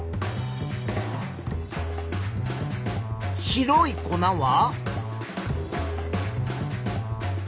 白い粉は？